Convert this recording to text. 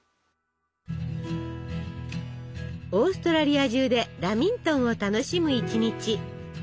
オーストラリア中でラミントンを楽しむ一日。